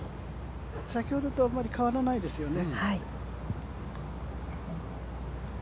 先ほどとあまり変わらないですよね。